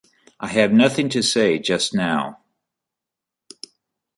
I have nothing to say just now.